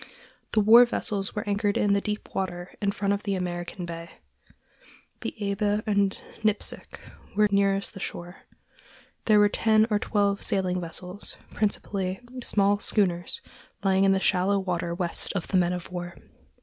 The war vessels were anchored in the deep water in front of the American consulate. The Eber and Nipsic were nearest the shore. There were ten or twelve sailing vessels, principally small schooners lying in the shallow water west of the men of war.